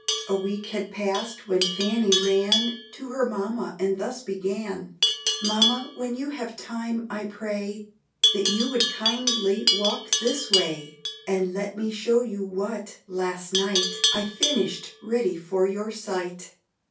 A week had pass'd, when Fanny ran To her mamma, and thus began: "Mamma, when you have time, I pray, That you would kindly walk this way, And let me show you what, last night, I finish'd ready for your sight."